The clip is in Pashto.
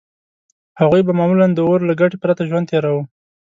هغوی به معمولاً د اور له ګټې پرته ژوند تېراوه.